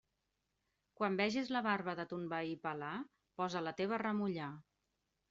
Quan vegis la barba de ton veí pelar, posa la teva a remullar.